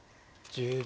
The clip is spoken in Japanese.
１０秒。